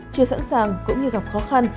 chưa sẵn sàng cũng như gặp khó khăn